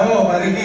oh pak r p